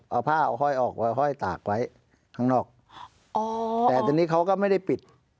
เอาผ้าเอาห้อยออกมาห้อยตากไว้ข้างนอกอ๋อแต่ทีนี้เขาก็ไม่ได้ปิด